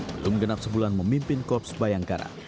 belum genap sebulan memimpin korps bayangkara